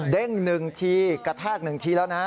เด้งหนึ่งทีกระแทกหนึ่งทีแล้วนะ